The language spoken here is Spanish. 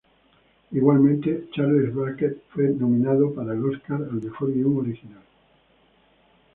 Igualmente Charles Brackett fue nominado para el Óscar al mejor guion original.